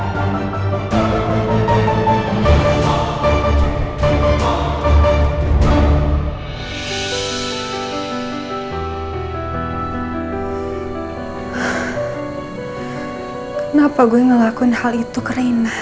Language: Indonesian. kenapa gue ngelakuin hal itu ke rena